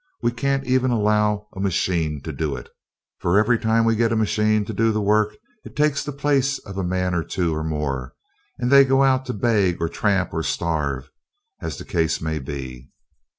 We can't even allow a machine to do it, for every time we get the machine to do the work it takes the place of a man or two, or more, and they go out to beg or tramp or starve, as the case may be.